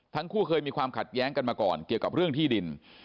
ทั้งคู่เคยมีความขัดแย้งกันมาก่อนเกี่ยวกับเรื่องที่ดิน